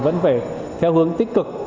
vẫn phải theo hướng tích cực